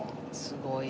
すごい。